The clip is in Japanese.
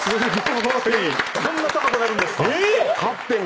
こんな高くなるんですか⁉えっ⁉